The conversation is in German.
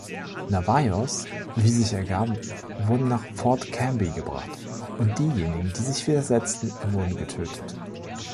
Navajos, die sich ergaben, wurden nach Fort Canby gebracht, und diejenigen, die sich widersetzten, wurden getötet.